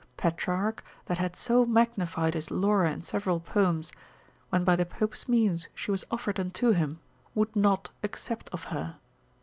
Petrarch, that had so magnified his Laura in several poems, when by the pope's means she was offered unto him, would not accept of her.